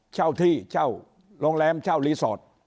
เช่าที่เช่าโรงแรมเช่ารีสอร์ท